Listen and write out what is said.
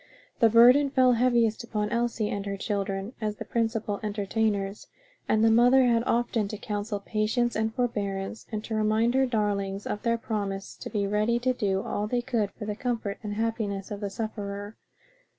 The burden fell heaviest upon Elsie and her children, as the principal entertainers, and the mother had often to counsel patience and forbearance, and to remind her darlings of their promise to be ready to do all they could for the comfort and happiness of the sufferer.